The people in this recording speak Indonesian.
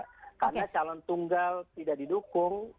karena calon tunggal tidak didukung